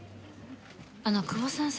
あの久保さん